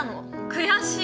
悔しい！